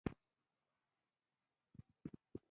علم د راتلونکي نسل لپاره پانګه ده.